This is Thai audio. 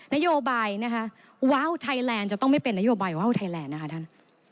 นโยบายนะคะว้าวไทยแลนด์จะต้องไม่เป็นนโยบายว้าวไทยแลนด์นะคะท่าน